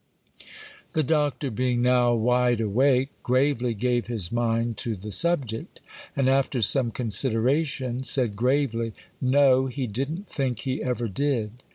The Doctor, being now wide awake, gravely gave his mind to the subject, and, after some consideration, said, gravely, 'No,—he didn't think he ever did.